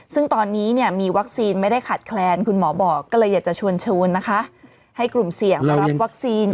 ซึ่งตอนนี้มีวัคซีนไม่ได้ขาดแคลนคุณหมอบอกก็เลยอยากจะชวนนะคะให้กลุ่มเสี่ยงมารับวัคซีน